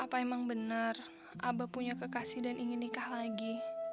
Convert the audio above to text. apa emang benar abah punya kekasih dan ingin nikah lagi